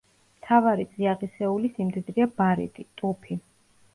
მთავარი წიაღისეული სიმდიდრეა ბარიტი, ტუფი.